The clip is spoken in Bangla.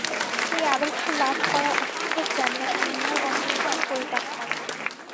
এই আদর্শ লাভ করা অসম্ভব জানিয়া তিনি ইহার অন্বেষণই পরিত্যাগ করেন।